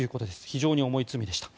非常に重い罪でした。